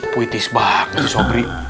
puitis banget sih sobri